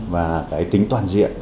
và tính toàn diện